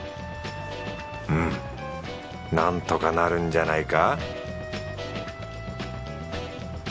うんなんとかなるんじゃないか